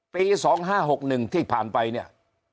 ปี๒๕๖๑ที่ผ่านไปเนี่ย